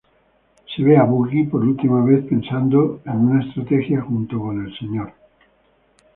Se ve a Buggy por última vez pensando en una estrategia junto con Mr.